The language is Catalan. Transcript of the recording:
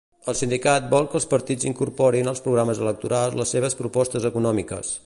El sindicat vol que els partits incorporin als programes electorals les seves propostes econòmiques.